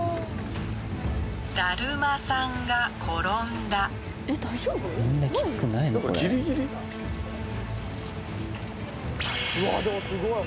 ・だるまさんが転んだ・うわでもすごい！